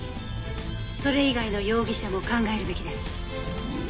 それ以外の容疑者も考えるべきです。